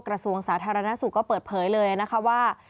กระทรวงสาธารณสุขก็เปิดเผยเลยนะคะว่า